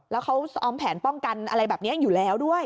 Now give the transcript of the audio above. แล้วเขาออมแผนป้องกันอะไรแบบนี้อยู่แล้วด้วย